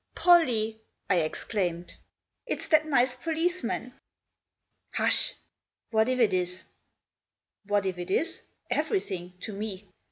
" Pollie," I exclaimed, " it's that nice policeman !" "Hush! What if it is?" What if it is ? Everything — to me.